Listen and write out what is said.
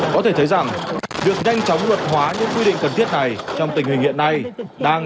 có thể thấy rằng việc nhanh chóng luật hóa những quy định cần thiết này trong tình hình hiện nay đang